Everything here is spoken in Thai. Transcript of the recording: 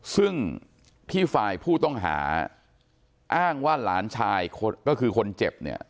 ซึ่งที่ฝ่ายผู้ต้องหาอ้างว่าหลานชายก็คือคนเจ็บเนี่ย